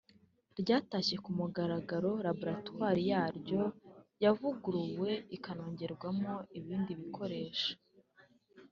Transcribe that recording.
ryatashye ku mugaragaro Laboratwari yaryo yavuguruwe ikanongerwamo ibindi bikoresho